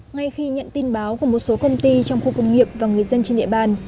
ngay khi nhận tin báo của một số công ty trong khu công nghiệp và người dân trên địa bàn